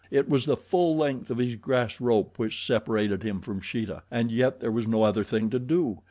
It was the full length of his grass rope which separated him from Sheeta, and yet there was no other thing to do.